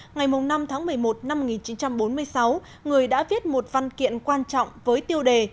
ngày năm tháng một mươi một năm một nghìn chín trăm bốn mươi sáu người đã viết một văn kiện quan trọng với tiêu đề